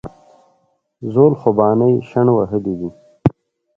زول خوبانۍ شڼ وهلي دي